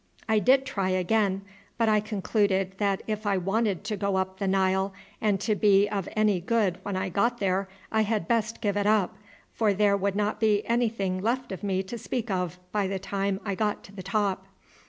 I did try again; but I concluded that if I wanted to go up the Nile, and to be of any good when I got there, I had best give it up, for there would not be anything left of me to speak of by the time I got to the top.